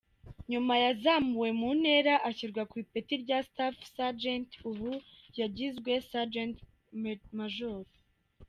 Nyuma yazamuwe mu ntera ashyirwa ku ipeti rya Staff Sergeant, ubu yagizwe Sergeant Major.